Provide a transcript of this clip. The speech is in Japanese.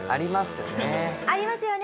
ありますよね。